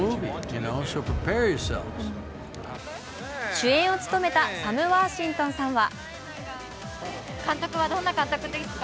主演を務めたサム・ワーシントンさんは？